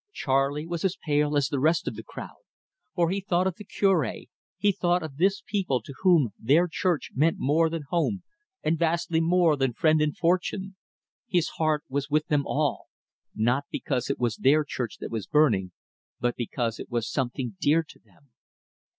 Charley was as pale as the rest of the crowd; for he thought of the Cure, he thought of this people to whom their church meant more than home and vastly more than friend and fortune. His heart was with them all: not because it was their church that was burning, but because it was something dear to them.